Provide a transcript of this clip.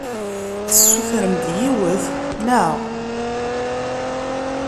Tessutrem-d yiwet, naɣ?